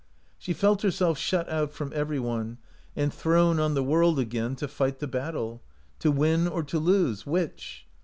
She felt herself shut out from every one, and thrown on the world again to fight the battle — to win or to lose, which?